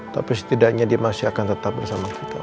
tapi setidaknya dia masih akan tetap bersama kita